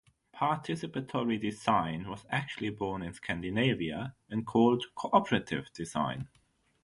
Participatory design was actually born in Scandinavia and called "cooperative design".